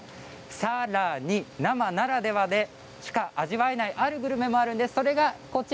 さらに生ならではでしか味わえないあるグルメもあるんです。